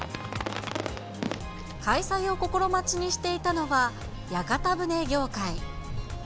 開催を心待ちにしていたのは、屋形船業界。